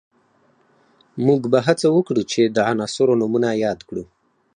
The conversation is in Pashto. موږ به هڅه وکړو چې د عناصرو نومونه یاد کړو